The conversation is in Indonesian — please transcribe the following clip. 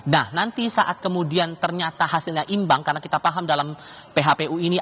nah nanti saat kemudian ternyata hasilnya imbang karena kita paham dalam phpu ini